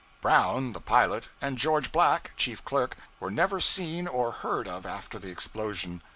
Brown, the pilot, and George Black, chief clerk, were never seen or heard of after the explosion.